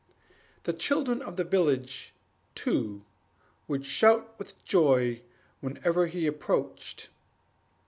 The children of the village, too, would shout with joy whenever he approached.